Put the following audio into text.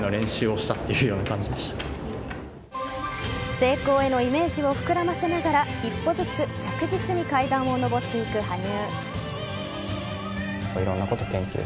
成功へのイメージを膨らませながら一歩ずつ着実に階段を上っていく羽生。